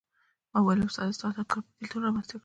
ما وویل استاده ستا دا کار به بېلتون رامېنځته کړي.